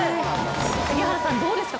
杉原さん、どうですか